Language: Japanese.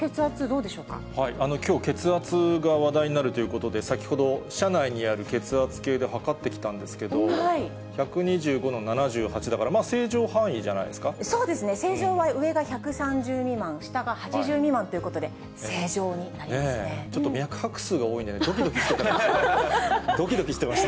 きょう、血圧が話題になるということで、先ほど、社内にある血圧計で測ってきたんですけど、１２５の７８だから、そうですね、正常は上が１３０未満、下が８０未満ということで、正常になりまちょっと脈拍数が多いんでね、どきどきしてる、どきどきしてました。